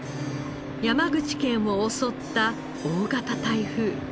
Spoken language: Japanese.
山口県を襲った大型台風。